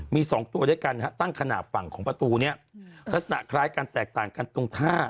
มี๒ตัวด้วยกันตั้งขนาดฝั่งของประตูนี้ลักษณะคล้ายกันแตกต่างกันตรงท่า